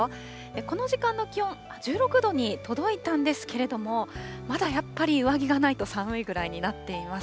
この時間の気温、１６度に届いたんですけれども、まだやっぱり上着がないと寒いぐらいになっています。